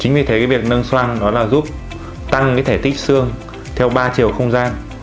chính vì thế cái việc nâng xoang đó là giúp tăng cái thể tích xương theo ba chiều không gian